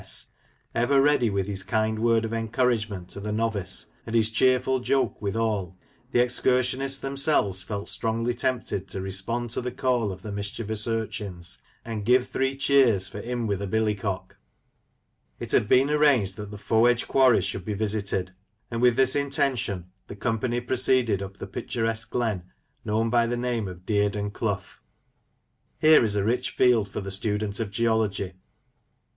S., ever ready with his kind word of encouragement to the novice, and his cheerful joke withal, the excursionists themselves felt strongly tempted to respond to the call of the mischievous urchins> and give three cheers for "'im wi* th' billycock !" ll Afield with the Geologists, 97 It had been arranged that the Fo' Edge Quarries should be visited, and with this intention the company proceeded up the picturesque glen known by the name of " Dearden Clough." Here is a rich field for the student of geology.